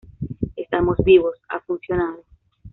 estamos vivos. ha funcionado.